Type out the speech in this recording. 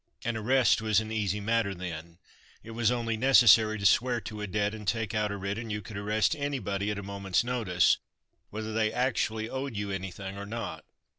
An arrest was an easy matter then. It was only necessary to swear to a debt and take out a writ and you could arrest anybody at a moment's notice, whether they actually owed you anything or not.